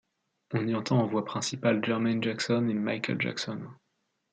On y entend en voix principale Jermaine Jackson et Michael Jackson.